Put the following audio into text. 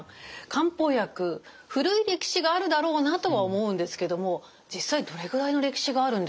漢方薬古い歴史があるだろうなとは思うんですけども実際どれぐらいの歴史があるんですか？